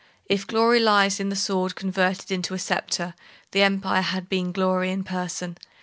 If glory lies in the sword converted into a sceptre, the Empire had been glory in person.